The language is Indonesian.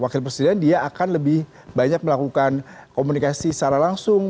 wakil presiden dia akan lebih banyak melakukan komunikasi secara langsung